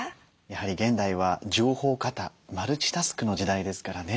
やはり現代は情報過多マルチタスクの時代ですからね。